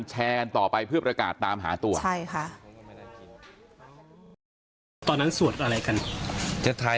แชร์กันต่อไปเพื่อประกาศตามหาตัวใช่ค่ะตอนนั้นสวดอะไรกัน